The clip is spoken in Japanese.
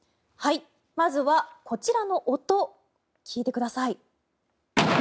まずはこちらの音聞いてください。